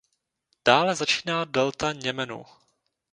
Dále začíná Delta Němenu.